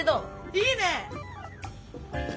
いいね！